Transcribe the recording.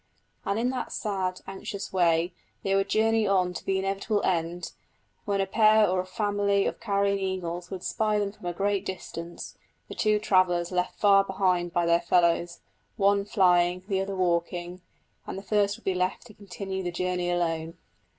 And in that sad, anxious way they would journey on to the inevitable end, when a pair or family of carrion eagles would spy them from a great distance the two travellers left far behind by their fellows, one flying, the other walking; and the first would be left to continue the journey alone.